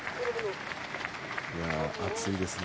熱いですね。